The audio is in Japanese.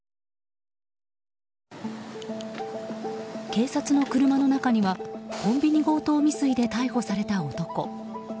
警察の車の中にはコンビニ強盗未遂で逮捕された男。